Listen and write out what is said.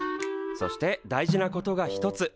そして大事なことが一つ。